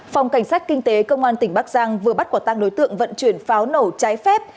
phòng cảnh sát kinh tế công an tỉnh bắc giang vừa bắt quả tăng đối tượng vận chuyển pháo nổ trái phép